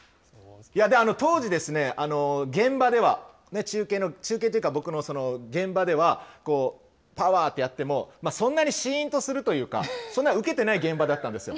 当時ですね、現場では、中継というか、僕の現場では、パワー！ってやっても、そんなに、しーんとするというか、そんな受けていない現場だったんですよ。